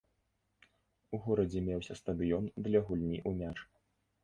У горадзе меўся стадыён для гульні ў мяч.